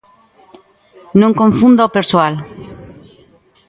¡Non confunda o persoal!